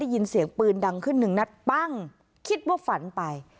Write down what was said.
ยินเสียงปืนดังขึ้นหนึ่งนัดปั้งคิดว่าฝันไป